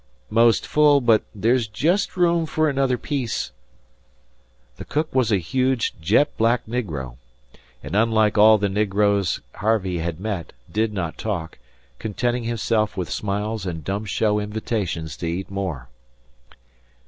"'Most full, but there's just room for another piece." The cook was a huge, jet black negro, and, unlike all the negroes Harvey had met, did not talk, contenting himself with smiles and dumb show invitations to eat more.